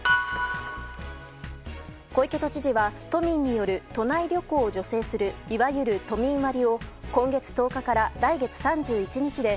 小池都知事は都民による都内旅行を助成するいわゆる都民割を今月１０日から来月３１日で